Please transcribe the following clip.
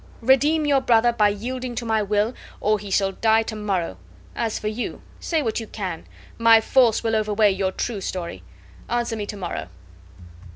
Redeem your brother by yielding to my will, or he shall die to morrow. As for you, say what you can, my false will overweigh your true story. Answer me to morrow."